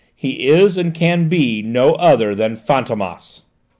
He is, and can be, no other than Fantômas!"